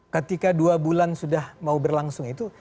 ketika dua bulan sudah mau berlangsung itu